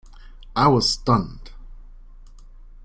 I was stunned.